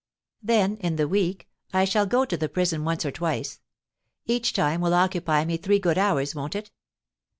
Then, in the week, I shall go again to the prison once or twice. Each time will occupy me three good hours, won't it?